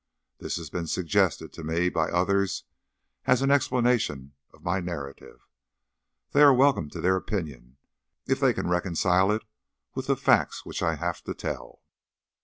This has been suggested to me by others as an explanation of my narrative. They are welcome to their opinion if they can reconcile it with the facts which I have to tell.